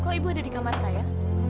kok ibu ada di kamar saya